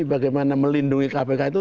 bagaimana melindungi kpk itu